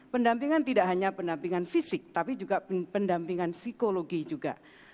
pendampingan tidak hanya pendampingan fisik tapi juga pendampingan psikologi juga